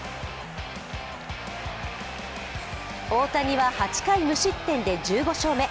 大谷は８回無失点で１５勝目。